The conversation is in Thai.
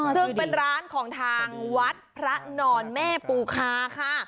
ซึ่งเป็นร้านของทางวัดพระนอนแม่ปูคาค่ะ